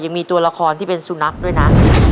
ยังมีตัวละครที่เป็นสุนัขด้วยนะ